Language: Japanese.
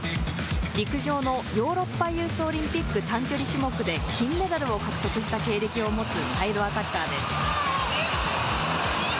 陸上のヨーロッパユースオリンピック短距離種目で金メダルを獲得した経歴を持つサイドアタッカーです。